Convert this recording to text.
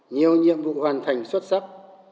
nhiều nhiệm vụ hoàn thành xuất sắc